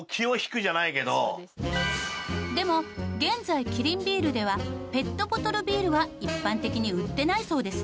でも現在キリンビールではペットボトルビールは一般的に売ってないそうです。